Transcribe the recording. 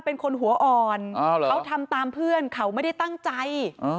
เป็นคนหัวอ่อนเขาทำตามเพื่อนเขาไม่ได้ตั้งใจ